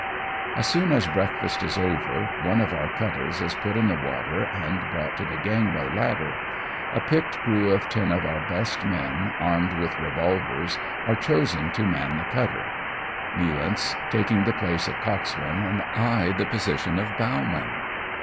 As soon as breakfast is over, one of our cutters is put in the water, and brought to the gangway ladder. A picked crew of ten of our best men, armed with re volvers, are chosen to man the cutter ; Nealance taking the place of coxswain, and I the position of bow man.